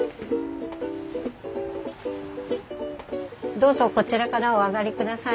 どうぞこちらからお上がりください。